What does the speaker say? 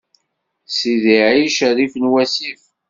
Sidi ɛic rrif n wassif.